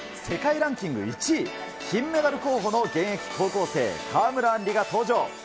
世界ランキング１位、金メダル候補の現役高校生、川村あんりが登場。